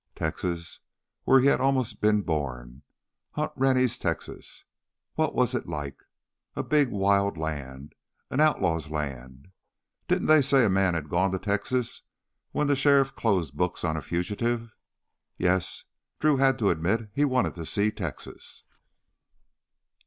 Texas, where he had almost been born, Hunt Rennie's Texas. What was it like? A big wild land, an outlaws' land. Didn't they say a man had "gone to Texas" when the sheriff closed books on a fugitive? Yes, Drew had to admit he wanted to see Texas.